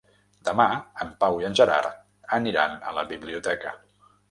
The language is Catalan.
Demà en Pau i en Gerard aniran a la biblioteca.